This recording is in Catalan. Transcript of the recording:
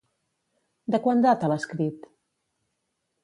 De quan data l'escrit?